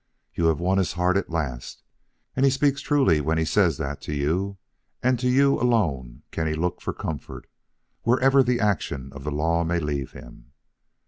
"You have won his heart at last, and he speaks truly when he says that to you and to you alone can he look for comfort, wherever the action of the law may leave him."